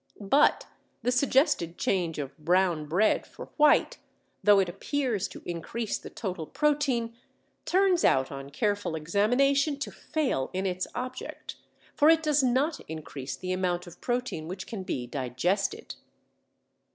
But the suggested change of brown bread for white, though it appears to increase the total protein, turns out on careful examination to fail in its object, for it does not increase the amount of protein which can be digested.